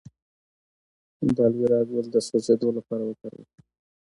د الوویرا ګل د سوځیدو لپاره وکاروئ